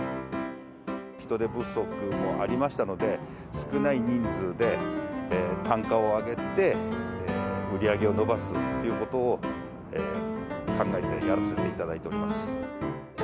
人手不足もありましたので、少ない人数で単価を上げて、売り上げを伸ばすということを、考えてやらせていただいております。